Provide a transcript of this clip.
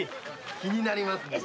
気になりますか？